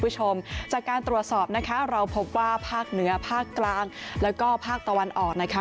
คุณผู้ชมจากการตรวจสอบนะคะเราพบว่าภาคเหนือภาคกลางแล้วก็ภาคตะวันออกนะคะ